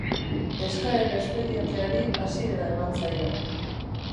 Eskaera espedienteari hasiera eman zaio.